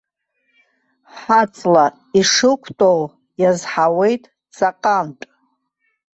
Ҳаҵла ишықәтәоу иазҳауеит ҵаҟантә.